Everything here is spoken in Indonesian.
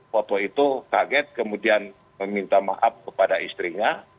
foto itu kaget kemudian meminta maaf kepada istrinya